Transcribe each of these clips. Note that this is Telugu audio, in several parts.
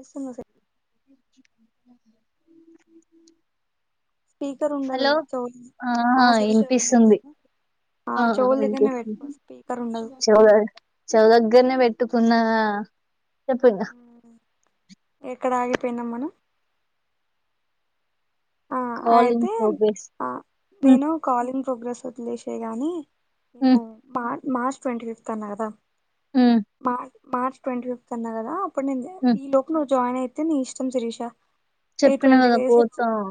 ఎస్తునస స్పీకర్ ఉండదు హలో తో ఆ శిరీష వినిపిస్తుంది ఆ చెవుల దగ్గరనే పెట్టుకో వినిపిస్తుంది స్పీకర్ ఉండదు చౌదగ్గరనే పెట్కో అటుకున్నా చెప్పు ఇంక ఎక్కడ ఆగిపోయినాం మనం ఆ కాల్ ఇన్ అయితే ప్రోగ్రెస్ హ్మ్ నేను కాలింగ్ ప్రోగ్రెస్ ఇంగ్లీషే గాని హ్మ్ ఎన్నో బార్ మార్చ్ ట్వంటీఫిఫ్త్ అన్నా కదా హ్మ్ మార్చ్ మార్చ్ ట్వంటీఫిఫ్త్ అన్నా కదా అప్ హ్మ్ ఈ లోపు నువ్వు జాయిన్ అయి అయితే నీ ఇష్టం శిరీష చెప్పినా కదా పోతాం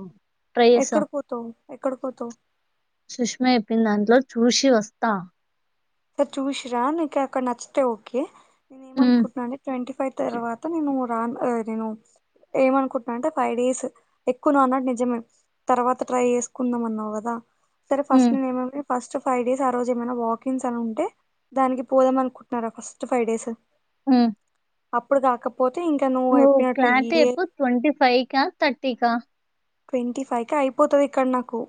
ఎక్కడ పోతావ్ ఎక్కడ పోతావ్ సుష్మ చెప్పిందాంట్లో చూసి వస్తా సరే చూసి రా నీకు అక్కడ నచ్చితే ఓకే నేను హ్మ్ ఏమనుకుంటున్నాను అంటే ట్వంటీఫైవ్ తర్వాత నేను రా నేను ఏమనుకుంటున్నానంటే ఫైవ్ డేస్ ఎక్కువ అన్నాడు నిజమే తర్వాత ట్రై చేసుకుందాం అన్నావు కదా సరే ఫస్ట్ హ్మ్ నేమ్ ఫస్ట్ ఫైవ్ డేస్ ఆ రోజు ఏమైనా వా మెన్స్ అలా ఉంటే దానికి పోదాం అనుకుంటున్నారా ఫస్ట్ ఫైవ్ డేస్ ఆ అప్పుడు దాక ఓ క్లారిటీ చెప్పు ట్వంటి ఫైవ్ కా థర్టి కా ట్వంటీ ఫైవ్ క అయిపోతది ఇక్కడ నాకు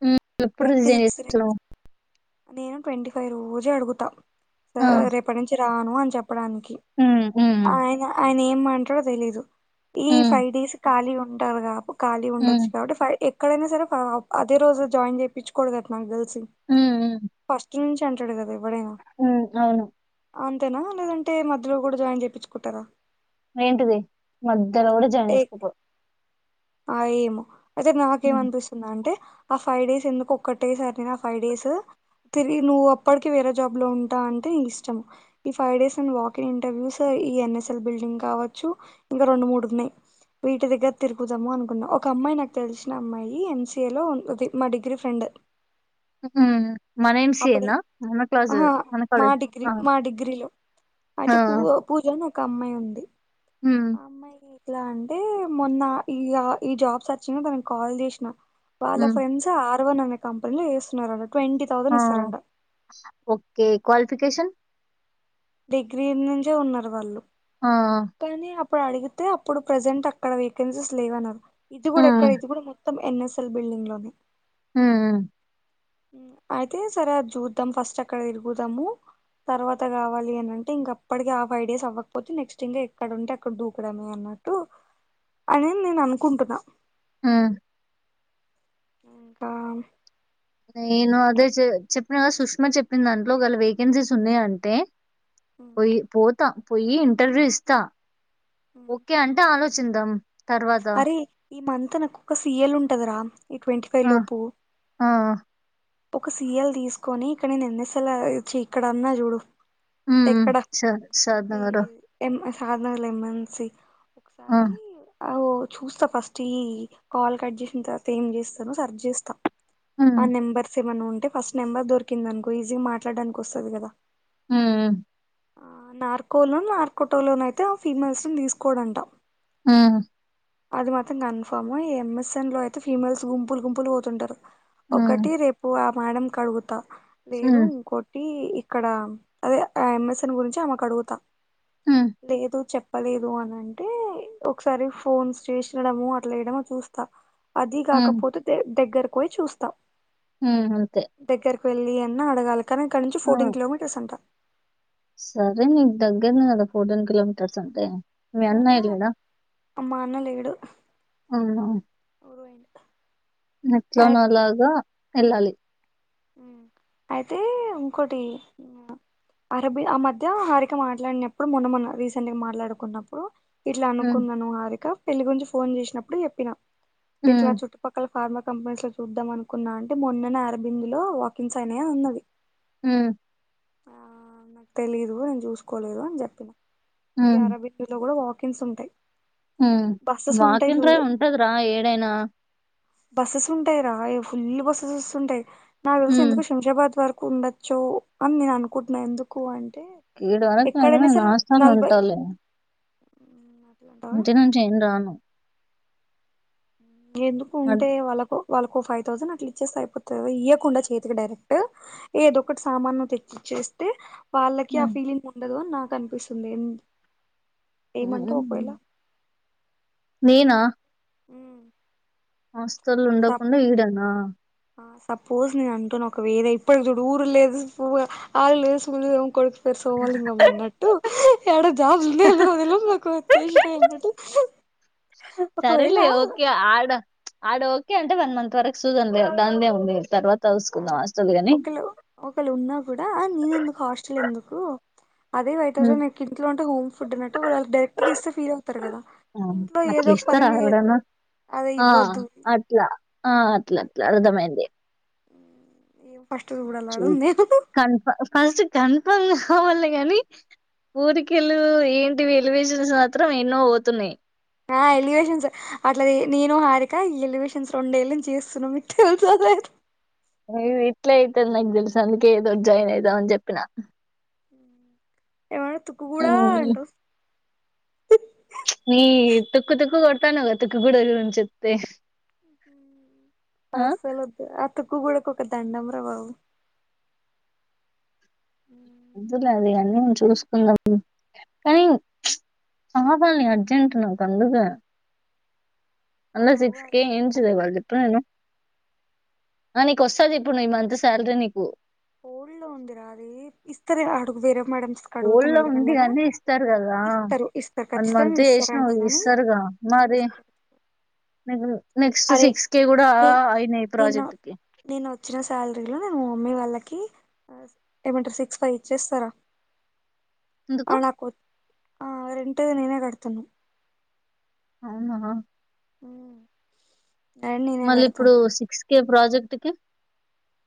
హు ఎప్పుడు ట్వంటీ రీజన్ సిక్స్ చెయ్యొచ్చు నేను ట్వంటీ ఫైవ్ రోజే అడుగుతా ఆ సర్ రేపటి నుంచి రాను [inaudible] చెప్ చెప్పడానికి హ్మ్ హ్మ్ ఆయన ఆయన ఏ మా ఇంట్లో తెలీదు ఈ హ్మ్ ఫైవ్ డేస్ ఖాళీ గున్ ఉంటారు గాపు కాళీ హ్మ్ ఉండొచ్చు కాబట్టి పైవ్ డే ఎక్కడైనా సరే అదే రోజు జాయిన్ చేపించుకోవడం [inaudible] [inaudible] మ్ ఉంచి అంటడు కదా ఉ అవును అంతేనా లేదంటే మధ్యలో గుడా జాయిన్ చేపించుకుంటరా ఏంటిది మద్ ఇక్కడ గుడా జాయిన్ ఏ చేసుకోపో ఆ ఏమో అయితే హ్మ్ నాకేమనిపిస్తుందంటే ఆ ఫైవ్ డేస్ ఎందుకు ఒక్కటే సారి నా ఫైవ్ డేస్ తిరిగి నువ్వు అప్పటికి వేరే జాబ్లో ఉంటా అంటే నీ ఇష్టం. ఈ ఫైవ్ డేస్ నువ్వు వాకింగ్ఇంటర్వ్యూస్ ఈ ఎన్ఎస్ఎల్ బిల్డింగ్ కావచ్చు ఇంకా రొండు, మూడు ఉన్నయి. వీటి దగ్గర తిర్ పోదాము అనుకున్న. ఒక అమ్మాయి నాకు తెలిసిన అమ్మాయి ఎంసీఏ లో ఉంటది. మా డిగ్రీ ఫ్రెండ్ మ్ మన ఎంసీఏ అప్పుడే నా మన క్లాస్ ఆహా మన మా కాలేజ్ డిగ్రీ ఆ మా డిగ్రీలో అయితే ఆ పూ పూజ అని ఒక అమ్మాయి ఉంది హ్మ్. ఆ అమ్మాయి ఇట్లా అంటే మొన్న ఈ ఈ జాబ్స్ అ చ్చిన తనకి కాల్ చేసిన వాళ్ల హ్మ్. ఫ్రెండ్స్ ఆ పరవ అనే కంపెనీలు చేస్తున్నారన్నట్ ఆ ఓకే క్వాలిఫికషన్ డిగ్రీ నుంచే ఉన్నరు వాళ్ళు ఆ కానీ అప్పుడు అడిగితే అప్పుడు ప్రజెంట్ అక్కడ వేకెన్సీస్ లేవనన్నరు. ఇది గుడా ఎక్కడ హ్మ్. ఇది గుడా త్త ఎన్ఎస్ఎల్ బిల్డింగ్ లోనే హ్ మ్ అయితే సరే అది చూద్దాం ఫస్ట్ అక్కడ తిరుగుదాము తర్వాత కావాలి అనంటే ఇంక అప్పటిక ఆ ఫైవ్ డేస్ అవ్వకపోతే నెక్స్ట్ ఇంకా ఎక్కడ ఉంటే అక్కడ దూకడమే అన్నట్టు అని నేను అనుకుంటున్నా మ్ ఇంకా ఈ నేను ఎన్ అదే చెప్పిన కద సుష్ సుష్మ చెప్పిన దాంట్లో ఒకవేళ వేకెన్సీస్ ఉన్నాయి అంటే పోయి పోతా పోయి ఇంటర్వ్యూ ఇస్తా ఓకే అంటే ఆలోచ చూద్దాం తర్వాత అరే ఈ మంతా నాకోక సిఎల్ ఉంటదీర ఈ ట్వంటీ ఫైవ్ ఆ! లోపు ఆ! ఒక సీయల్ తీసుకొని ఇక్కడ నేను ఎన్ ఎస్ ఎ ఇక్కడ అన్నా చూడు ఎక్కడ స సాధనగార సద్నగర్ ల ఏం ఎన్ సి ఒకసారి చూస్తా ఫస్ట్ ఈ కాల్ కట్ చేసిన తర్వాత ఏం చేస్తాను సర్చ్ చేస్తాం ఆ హ్మ్. నెంబర్ మన్నా ఉంటే ఫస్ట్ నెంబర్ దొరికింద అనుకో ఈజీగా మాట్లాడడానికి వస్తుంది కదా హ ఆ నార్కో నో నార్కోటో లోన అయితే ఆ ఫీమెల్స్ నీ తీసుకోడాటా ఆ అది మాత్రం కన్ఫామ్ ఈ ఎంఎస్ఎన్ లో అయితే ఫీమెల్స్ గుంపులు గుంపులు పోతుంటారు హ్మ్. ఒకటి రేపు ఆ మేడం కి అడుగుతా లేదు హ్మ్. ఇంకోట్టి ఇక్కడ అదే ఎమ్ఎస్న్ గురించి ఆమెకు అడుగుతా హ్మ్. లేదు చెప్ప తప్పలేదు అని అంటే ఒకసారి ఫోన్స్ చేసినడము అట్లా వేయడమ చూస్తా అది హ్మ్. కాకపోతే దగ్గర పోయి చూస్తాం ఉ అంతే వెళ్ళి ఎన్న అడగాల కానీ ఇక్కడ నుంచి ఆ! ఫోర్టీన్ కిలో మీటర్స్ అంటా సరే నీకు దగ్గరని కదా ఫోర్టీన్ కిలోమీటర్స్ అంటే మ మొన్న అనాయి లేనా మా అన్న లేడు ఆ ఊరు పోయిండు ఎట్లాన అయితే అలాగా వెళ్ళాలి అయితే ఇంకోటి అరబి ఆ మధ్య హరిిక మాట్లాడినప్పుడు మొన్న మొన్న రీసెంట్ గా మాట్లాడుకున్నప్పుడు ఇట్లా హ్మ్. అనుకున్నాను హారిక నీ గురించి ఫోన్ చేసినప్పుడు చెప్పిన ఎట్లా హ్మ్. చుట్టుపక్కల ఫార్మా కంపెనీస్ లో చూద్దాం అనుకున్నా అంటే మొన్న అరబ్బ ఇందులో వాకిన్స్ అనేయా ఉన్నది ఉ ఆ నాకు తెలీదు నేను చూసుకోలేదు అని చెప్పిన ఈ హ్మ్. అరబిట్లో కూడా కీస్ ఉంటాయి బస్సెస్ ఉంటాయి వాకింగ్ చూ డ్రైవ్ఉంటదిరా ఏడైనా బస్సెస్ ఉంటాయి రా ఏ ఫుల్ బస్సెస్ వస్తుంటాయి నాకు తెలిసి హ్మ్. ఎందుకు శంషాబాద్ వరకు ఉండొచ్చు అని నేను అనుకుంటున్నా ఎందుకు అంటే కీడ వరకు ఎ ఎక్కడైనా సరే నష్టాలూ నలభై ఉంటాల అట్లంటావా ఇంటి నుంచిన్ రాను ఎందుకు అద్ ఉంటే వాళ్ళకు వాళ్ళకు ఫైవ్ థౌసండ్ అట్లా ఇచ్చేస్త అయిపోతుందిా ఇవ్వకుండా చేతికి డైరెక్ట్ ఏదొ ఒకటి సామాన్ ను తెచ్చిచ్చేస్తే వాళ్ళకి ఆ హ్మ్. ఫీలింగ్ం దు నాకు అనిపిస్తుంది ఎ ఏమంటావు ఒకవేళ ఏనా [inaudible] సోల్ సప్ ఉండకుండా ఈడనా సపోజ్ నేను అంటున్న ఒక వేరే ఇప్పటికి చూడు ఊరు లేదు పు ఆళ్ళ లేదు సోమలింగం అన్నట్టు ఎడగు జాబ్ ఉన్నాయి లే చేసి ట అట్ సరెలే ఓకే ఆడ ఆడ ఓకే అంటే వన్ మంత్ వరకు చూదంలే దాని ఏమి ఉంది తర్వాత ఆ చూసుకుందాం వస్తుంది కానీ ఒకళ ఒకళ ఉన్నా కూడా నేన ఎందుకు హాస్టల్ ఎందుకు ఉ అదే ఫైవ్ ఉమ్. థౌజండ్ మీకు ఇంట్లో ఉంటే హోమ్ ఫుడ్ అన్నట్టు వాళ్ళకి డైరెక్ట్గా ఇస్త ఫీల్ అవుతారు కదా ఆ, ఇంట్లో ఏదో అట్లా ఒక ఇస్తారా పరం చేయదు ఎవడన్నా అదే ఆ, ఇవ్వద్దు అట్లా ఆ, అట్లా ఏం ఫస్ట్ చూడాల ఆడ నేను కన్ ఫ కలసి కన్ఫమ్. పోవల్లే గాని ఊరికేళ్ళు ఏంటి వెలువేసిన సాత్రం ఎన్నో పోతున్నాయి. ఆ ఎలివేషన్స్ అట్లా నేను హారిక ఈ ఎలివేషన్స్ రెండేళ్ళ నుంచి చేస్తున్నా మీకు తెలస లేదు. లేదు ఇట్లా అయితంది నాక్ దెల్సు అందుకే ఏదో జాయిన్ అయిదాం అని జెప్పినా. ఇ ఎమో తుక్కు గూడ ఉమ్, ఉంటు. నీ తుక్కు తుక్కు కొట్టాఅన్నావగ తుక్కు గూడం గురించి చెప్తే. ఆ, అస్సులొద్దు అత్. తుక్కు గుడ ఒక దండం రా బాబు. వద్దులే అది అన్నేము చూసుకుందాం కానీ చ్చ కావాలి అర్జెంట్ నాకు అందుకే. మా అన్న ఊ సిక్స్కి ఏం అర్జెంట్ చదువల ఎప్పుడైనా. ఆ నీకొస్తది ఇప్పుడు ఈ మంత్ శాలర్రి నీకు. హోల్డో ఉందిరా అది ఇస్తారే అడుగు వేరే. మేడమ్స్ అడుగుతే ఊళ్ళో ఉంది మెల్లమెల్లగా అనీ ఇస్తారు కదా ఇస్తారు ఇస్తారు వన్ ఖచ్చితంగా మంత్ ఇస్తారంట చేసినావు కానీ ఇస్తారు గా మరి. ఇస్తారు నగలు. నెక్స్ట్ అరే సిక్స్టి గూడా నేను అయినాయి నేను ప్రాజెక్ట్ కి. నేను వచ్చిన శాలరీలో నేను మా మమ్మీ వాళ్ళకి ఏమంటారు సిక్స్ ఫైయి ఇచ్చేస్తారా. ఎందుకు అనకు. ఆ రెంటే నేనే కడతాన్న. ఉన్నావా. [inaudible] నేనే మళ్ళీ ఇప్పుడు కడతాను సిక్స్ కే. ప్రాజెక్ట్కి.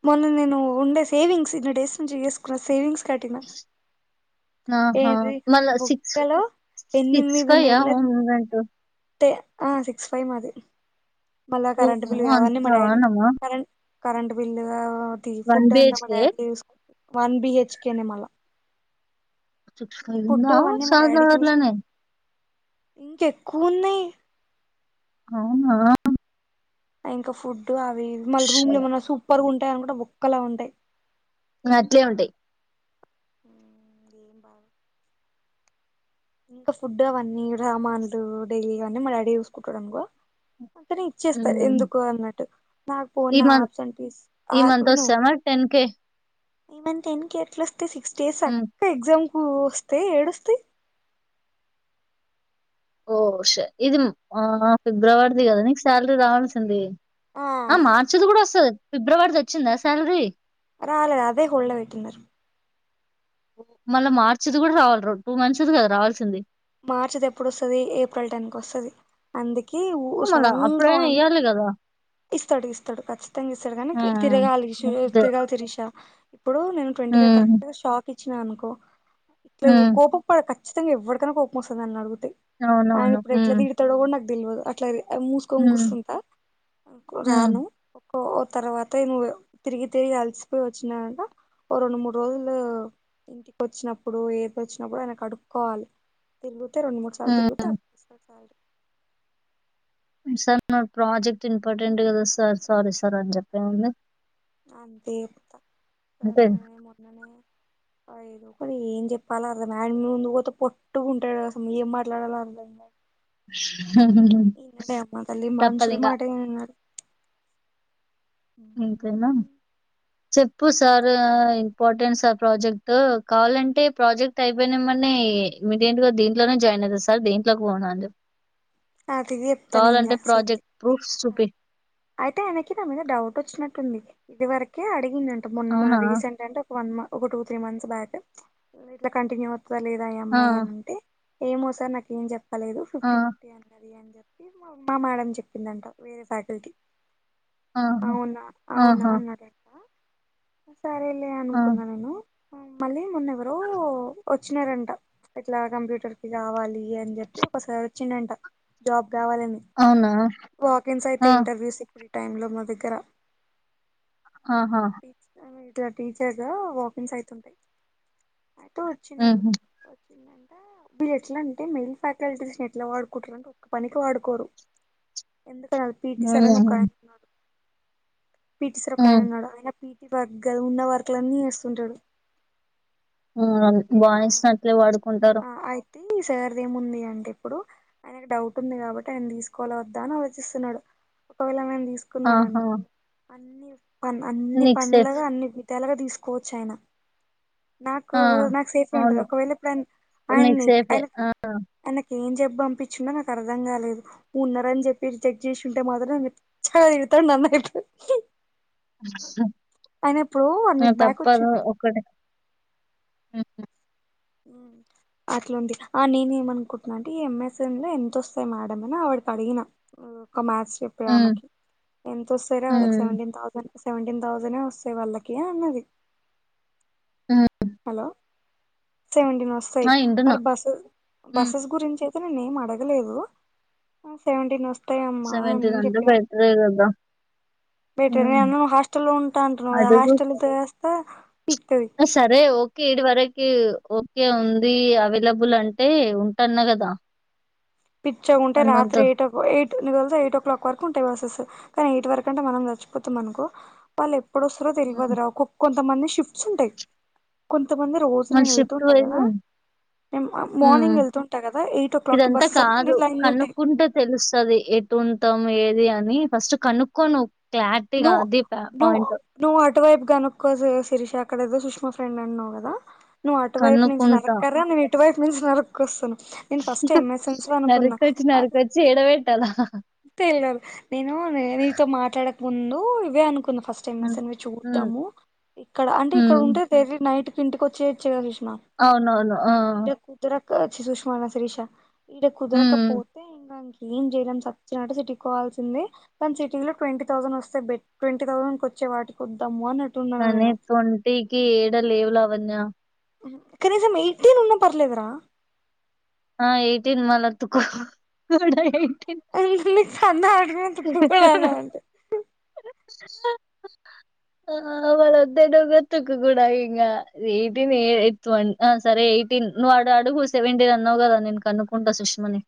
మొన్న నేను ఉండే సేవింగ్స్ ఇన్ని డేస్ నుంచి చేసుకున్న సేవింగ్స్. కట్టినా. అ హా మల్ల సిక్స్ బుక్కలో సిక్స్ ఫైయ హో ముమెంట్. టే అ సిక్స్ ఫైవ్ మాది. మల్ల కరంట్ ఓహో బిల్ కావనే మా డాడ అంతానమ్మా కర. కరెంట్ బిల్లు గావ. టి వన్ ఫుడ్ అంతా మన బిహెచ్కే డాడి చేసు. వన్ బి హెచ్కెనే మల్ల. [unintelligible] ఇంకెక్కువ ఉన్నాయి. అవునా. ఇంకా ఫుడ్. అవి మన ష్ రూమ్ లెమన్న సూపర్ ఉం. అను కూడా బుక్కలా ఉంటాయి అట్లే ఉంటాయి ఉ ఇంకా ఫుడ్ అవన్నీ రామాన్లు డైలీ అవన్నీ మా డాడీ చూసుకుంటాడు అనుకో అక న ఇచ్చేస్తా హ్మ్. ఎందుకు అన్నట్టు నాకు ఈ పోన్న మంత్ ఆప్స అండ్ పీస్ ఈ ఆ మంత్ విను వస్తామా ఇ మంత్ టెన్ కె ఎట్లా అ సిక్స్ డేస్ హ్మ్. అక్క ఎగ్జామ్ హఊస్తే ఏడుస్తే ఓ సే ఇది ఆ ఫిబ్రవరి అ అదాీకు సాలరీ రావంసింది ఆ మార్చది కూడా వసదు ఫిబ్రవరిది వచ్చిందా శాలరీ రాాలదే హళ్ వెయిట్న్నారుారు ఓ మళ్ళా మార్చిది కూడా రావాల టూ మంత్స్ది కదా రావాల్సింది మార్చిది ఎప్పుడుొస్తుది ఏప్రిల్ టెన్ కి వస్తుంది అందుకే మళ్ళా సడన్ గా అప్పుడైనా ఇయ్యాలి గదా! ఇస్తాడు ఇస్తాడు ఖచ్చితంగా ఇస్తాడు కానీ హ్మ్. తిరగాలి హ్మ్. అదే. తిరగాలి తినసా ఇప్పుడు నే ట్వంటీైవ్ హ్మ్. కరక్ట్ షక్ పచ్చనా అనుకో ఇట్ హ్మ్. కోబ పడ క ఖితంగా ఎవడికన్నా మోసాాలు అడుగుంది అవునవును తెలివదు అట్లాది మూసుకొని హ్మ్. కూర్స్తుంటా హ్మ్. రాను ఓ తర్వాత నువు తిరిగి తిరిగి అలిసిపోయి వచ్చినంట ఓ రెండు మూడు రోజులు ఇంటికి వచ్చినప్పుడు ఏదో వచ్చినప్పుడు ఆయనకు కడుక్కోవాలి తిరుగు రండు మూడు సార్లు హ్మ్. తిగు సార్ నా ప్రాజెక్ట్ ఇంపార్టెంట్ కదా సార్ సారీ సార్ అని చెప్పే ముంది అ ద పత స అంతే. ననే మరననే ఏదో కూడా ఏం చెప్పలో అర్థం ఆయడ్ ముందు పోతే పట్టుకుంటాడు అసం ఏం మాట్లాడాలో అర్థైంద [unintelligible] ఈన్నడ అమ్మదలి మనుషులు తప్పదింగా. మాటేన్నాడు ఇంతేనా చెప్పు సరే ఇంపార్టెంట్ సార్ ప్రాజెక్ట్ కావాలంటే ప్రాజెక్ట్ అయిపోయినెంబడ్నే ఇమీడియట్గా దీంట్లోనే జాయిన్ అవుతా సార్ దీంట్లోకి పోన్ అని తాతకి చెప్తా నేన్ ఇంకా కావాలంటే సతి ప్రాజెక్ట్ ప్రూఫ్స్ చూపి. అయితే ఆయనకి నా మీద డౌట్ వచ్చినట్టుంది. ఇదివరకే అడి డంట మొన్న మొన్న అవునా? రీసెంట్ అంటే వన్ మ ఒక టూ త్రీ మంత్స్ బ్యాక్ ఇట్ల కంటిన్యూ అ అత్తదా లేదా ఈ ఆ! అమ్మాయి అని అంటే ఏమో సార్ నాకేం చెప్ ప్ప లేదు ఆ! ఫిఫ్టీ ఫిఫ్ అన్నది అని చెప్పి మా మేడం చెప్పిందంటా వేరే ఫ్యాకల్టీ ఆహా! అవునా అవునా ఆహా! నరేేశ సరేలే ఆ! అనుకున్నా నేను మళ్ళీ మొన్నెవరో వచ్చినారంట ఇట్లా కంప్యూటర్కి కావాలి అని చెప్పి ఒకసారి చిడంట జాబ్ కావాలని అవునా? వాకిన్స్ అయితే ఆ! ఇంటర్వ్యూస్ ఈ టైంలో మా దగ్గరా [inaudible] ఆహా! టీచర్గా వాకింగ్స్ అయితుంది. అయితే వచ్చినాడు హుహు. వీళ్ళు ఎట్లా అంటే మెయిల్ ఫ్యాకల్టీస్ని ఎట్ల వాడ్ కుంటరంటే ఒక్క పనికి వాడుకోరు. ఎందుక పిటి సార్ అని హ్మ్. ఒకయన ఉన్నడు. పీటి సార్ ఒకాయన హ్మ్. ఉన్నాడు. ఆయన ఈ వర్క్ కాద్ ఉన్న వర్కులన్నీ వేస్తుంటడు ఆ బాయ్స్ని అయితే వాడు ఉంటారు అయితే ఈ సర్దేముంది అంటే ఇప్పుడు ఆయనకి డౌట్ ఉంది కాబట్టి ఆయన తీసుకోవాలా వద్దా అని ఆలోచిస్తున్నడు. ఒకవేళ మేం ఆహా! తీసుకున్నాడనుకో అన్ని ప అన్ని నీకు సేఫ్. పంలుగా అన్ని తెలగ తీసుకోవచ్చు ఆయన నాకు ఆ! నాకు సేఫ్ ఉంటది. అవును. ఒకవేళ ఎప్పుడ నీకు సేఫే ఆ ఏం చెప్ప పంపించిన్నా నాకు అర్థం కాలేదు, ఉన్నారని చెప్పి రిజెక్ట్ చేసుంటే మాత్రం పిచ్చగా తిడతారు నేనైతే, ఆ అయిన ఎప్పుడో వన్ వీక్ బ్యాక్ వచ్చింది ఉహు అట్లాంది ఆ నేనే ఏమనుకుంటున్నా అం, టే ఈ ఎం ఎస్ ఎం లో ఎంతొస్తాయి మేడమ్ అని ఆవిడికి అడిగిన ఒక మ్యాథ్స్ చెప్పే హ్మ్. ఆమెకి, ఎంతొస్తైరా వాళ్ళకి హ్మ్. సెవెంటీన్ థౌసండ్ సెవెంటీన్ థౌజాండ్ యె వస్తాయి వాళ్ళకి అన్నది ఉమ్ హలో సెవెంటీన్ వస్తాయి. ఆ! మరి వింటున్నా. బస్సెస్ హ్మ్. బస్సెస్ గురించి అసలుం నేనేం అడగలేదు సెవెంటీన్ వాస్ స్తయమ్మా సెవెంటీన్ అని అంటే చెప్పినారు బెటరే కదా బయట హ్మ్. నేను హాస్టల్ లో ఉంటా అంటున్నవ్ కదా హాస్టల్ ఓహ్ ఆ సరే ఓ ఇడు వరకి ఓకే ఉంది అవైలబుల్ అంటే ఉంటాన్నా కదా పిచ్చగా ఉంటే వన్ మంత్ రాత్రి ఎయిట్ ఎయి కతే ఎయిట్ క్లాక్ వరకు ఉంటాయి బసెస్ కానీ ఎయిట్ వరకుంటే మనం చచ్చచిపోతాం అనుకో వాళ్ళేప్ పు డస్తారో హ్మ్. తెల్వది రా ఒక్కొక్కల్ కొంతమంది షిఫ్ట్స్ ఉంటాయి కొన్ కొంత మంది, రోజు మళ్ళీ నేను షిఫ్ట్ వెళ్తుంటా వైజ్ కదా నేన్ మార్నింగ్ వెళ్తుంటా కదా ఎయిట్ ఓ క్లాక్కి ఇదంతా బస్ స కాదు కనుక్కుంటే తెలుస్తుది ఎటు ఉంటాం ఏం అని ఫస్ట్ కనుక్కొ నువ్ నువ్వు నువ్వు నువ్వు అటువైపు గనుక్కో శరిషాక్ అక్కడ ఏదో సుష్మా ఫ్రెండ్ అన్నావ్ కదా నువ్వు అటువైపు నుంచి కనుక్కుంటా నరక్కరా నేను ఇటువైపు నుంచి నరక్కొస్తును. నేను ఫస్ట్ ఎం ఎస్ ఎన్స్ లో అనుకున్నా నరికొచ్చి నరికొచ్చి ఏడబెట్టాలా తెలియదు నేను నీతో మాట్లాడక ముందు ఇవే అనుకు ఫస్ట్ ఎం ఎస్ హ్మ్. ఎన్వీ హ్మ్. చూద్దాము. ఇక్కడ అంటే ఇక్కడ హ్మ్. ఉంటే వెరీ నైట్ ఇంటికొచ్చేయొచ్చు కదా సుష్మా అవునవును ఆ అచ్చి చూశి పోవాల్న శరీష ఇడ హ్మ్. కుదరకపోతే ఇంగ ఏం చేయలేం సర్ క్యాటసిటీ కోవాల్సింది దాని సిటీ లో ట్వంటీ థౌసండ్ వస్తే బె ట్వంటీ థౌసండ్ వచ్చే వాటికి వద్దాం కానీ త్వోంటికి ఏడ లేవు లావణ్య హ్మ్ కనీసం ఎయిటీన్ ఉన్నా పర్లేదురా ఆ ఎయిటీన్ మల్లతుకో కన్నా [unintelligible] ఆ అవలోద్ అడగదు కూడా ఇగ ఎయిటీన్ ఎ ఎయిత్ వన్ ఆ సరే ఎయిటీన్ నువ్ ఆడ అడుగు సెవెంటీన్ న్నావు కదా నేను కనుకుంటా సుష్మని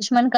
సుష్మ